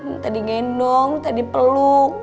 entah digendong entah dipeluk